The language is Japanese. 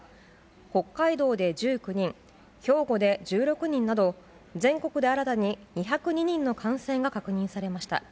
北海道で１９人兵庫で１６人など全国で新たに２０２人の感染が確認されました。